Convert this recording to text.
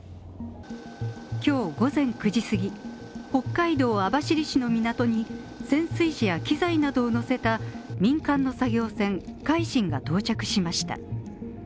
今日午前９時すぎ、北海道網走市の港に潜水士や機材などを載せた民間の作業船「海進」が到着しました。